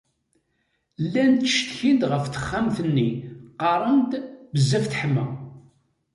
Llan ttcetkin-d ɣef texxamt-nni qqaren-d bezzaf teḥma.